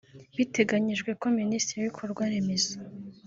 Biteganyijwe ko Minisitiri w’ibikorwaremezo